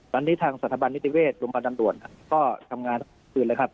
ตอนนี้ทางสถาบันนิติเวศรุมันดันตรวจครับก็ทำงานตลอดคืนเลยครับ